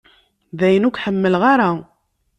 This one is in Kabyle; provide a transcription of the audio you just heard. Dayen ur k-ḥemmleɣ ara.